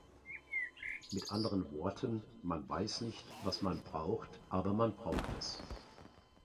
Mit anderen Worten, man weiß nicht, was man braucht, aber man braucht es.